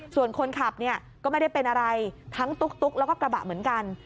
ส่วนคนขับเนี่ยก็ไม่ได้เป็นอะไรทั้งตุ๊กแล้วก็กระบะเหมือนกัน